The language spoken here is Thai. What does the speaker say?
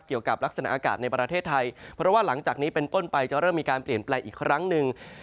เกี่ยวกับลักษณะอากาศในประเทศไทยเพราะว่าหลังจากนี้เป็นต้นไปจะเริ่มมีการเปลี่ยนแปลงอีกครั้งหนึ่ง